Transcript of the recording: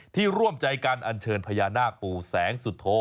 ร่วมใจการอัญเชิญพญานาคปู่แสงสุโธ